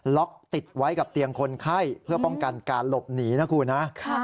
ล็อกติดไว้กับเตียงคนไข้เพื่อป้องกันการหลบหนีนะคุณนะ